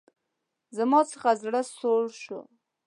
زما څخه زړه سوړ شو.